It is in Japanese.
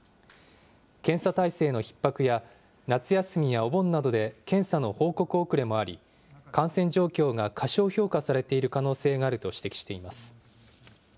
検査体制のひっ迫や夏休みやお盆などで検査の報告遅れもあり、感染状況が過小評価されている可能性があると指摘しています。